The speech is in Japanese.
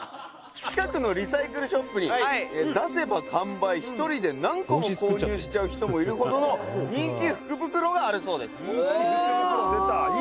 「近くのリサイクルショップに出せば完売１人で何個も購入しちゃう人もいるほどの人気福袋があるそうです」